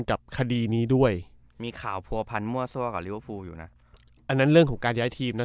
กับคดีนี้ด้วยมีข่าวอ่ะหน้าอันนั้นเรื่องของการย้ายทีมนะ